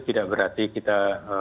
tidak berarti kita